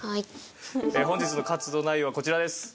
本日の活動内容はこちらです。